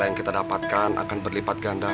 jadi ada baiknya